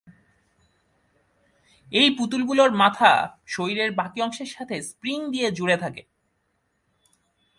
এই পুতুল গুলোর মাথা শরীরের বাকি অংশের সাথে স্প্রিং দিয়ে জুড়ে থাকে।